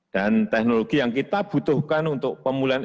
dan teknologi yang kita butuhkan untuk pemulihan ekonomi